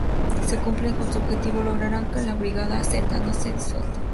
Si cumplen con su objetivo lograrán que la Brigada Z no sea disuelta.